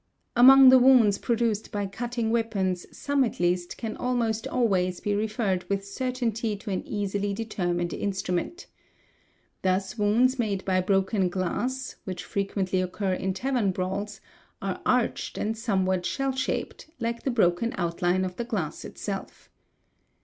Among the wounds produced by cutting weapons some at east can almost always be referred with certainty to an easily deter nined instrument. Thus wounds made by broken glass (which fre t ently occur in tavern brawls) are arched and somewhat shell shaped, like the broken outline of the glass itself.